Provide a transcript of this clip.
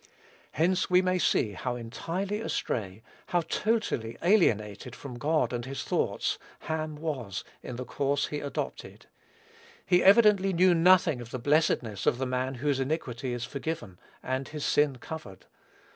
Hence we may see how entirely astray how totally alienated from God and his thoughts Ham was in the course he adopted; he evidently knew nothing of the blessedness of the man whose iniquity is forgiven and his sin covered.